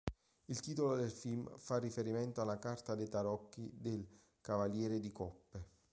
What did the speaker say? Il titolo del film fa riferimento alla carta dei tarocchi del "cavaliere di coppe".